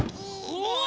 うわ！